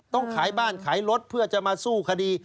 ต้องขายบ้านขายรถเพื่อจะมาสู้คดี